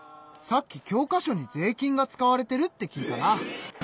さっき教科書に税金が使われてるって聞いたな。